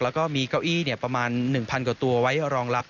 แล้วก็มีเก้าอี้ประมาณ๑๐๐กว่าตัวไว้รองรับ